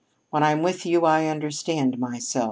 When I'm with you I understand myself.